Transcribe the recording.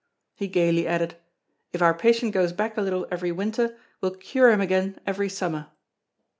He gaily added: "If our patient goes back a little every winter, we'll cure him again every summer."